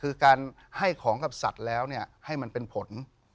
คือการให้ของกับสัตว์แล้วเนี่ยให้มันเป็นผล